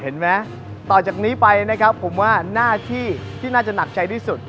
เห็นไหมต่อจากนี้ไปนะครับผมว่าหน้าที่ที่น่าจะหนักใจที่สุด